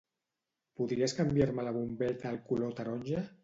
Podries canviar-me la bombeta al color taronja?